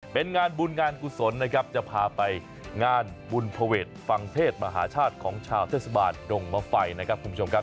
เป็นงานบุญงานกุศลนะครับจะพาไปงานบุญภเวทฟังเทศมหาชาติของชาวเทศบาลดงมไฟนะครับคุณผู้ชมครับ